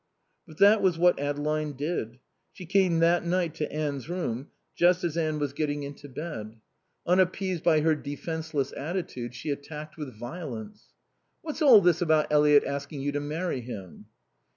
But that was what Adeline did. She came that night to Anne's room just as Anne was getting into bed. Unappeased by her defenseless attitude, she attacked with violence. "What's all this about Eliot asking you to marry him?"